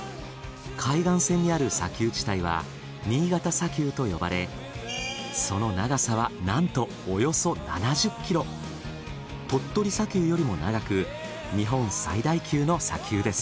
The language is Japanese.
海岸線にある砂丘地帯は新潟砂丘と呼ばれその鳥取砂丘よりも長く日本最大級の砂丘です。